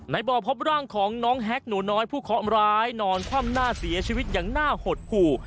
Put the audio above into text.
บ่อพบร่างของน้องแฮกหนูน้อยผู้เคาะร้ายนอนคว่ำหน้าเสียชีวิตอย่างน่าหดหู่